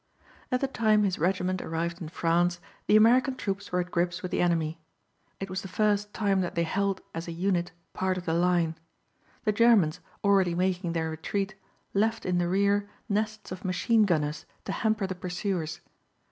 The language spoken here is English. At the time his regiment arrived in France the American troops were at grips with the enemy. It was the first time that they held as a unit part of the line. The Germans, already making their retreat, left in the rear nests of machine gunners to hamper the pursuers.